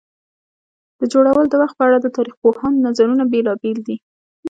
د جوړولو د وخت په اړه د تاریخ پوهانو نظرونه بېلابېل دي.